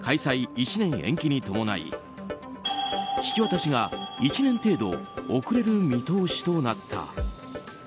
１年延期に伴い引き渡しが１年程度遅れる見通しとなった。